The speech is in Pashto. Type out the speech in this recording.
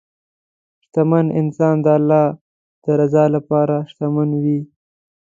شتمن انسان د الله د رضا لپاره شتمن وي.